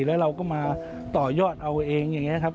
แล้วเราก็มาต่อยอดเอาเองอย่างนี้ครับ